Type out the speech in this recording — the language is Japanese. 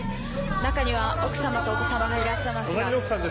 中には奥様とお子様がいらっしゃいますが。